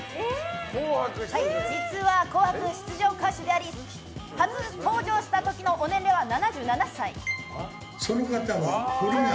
実は「紅白」出場歌手であり初登場した時のご年齢は７７歳。